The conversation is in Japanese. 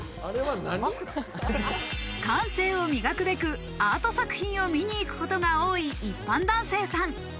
感性を磨くべくアート作品を見に行くことが多い一般男性さん。